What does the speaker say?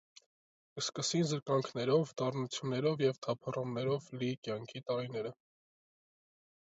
Կը սկսին զրկանքներով, դառնութիւններով եւ թափառումներով լի կեանքի տարիները։